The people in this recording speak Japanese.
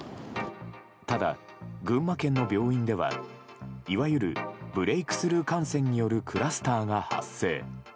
ただ、群馬県の病院ではいわゆるブレークスルー感染によるクラスターが発生。